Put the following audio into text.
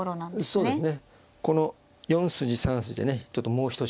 そうですね。